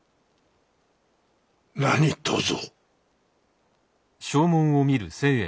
何とぞ。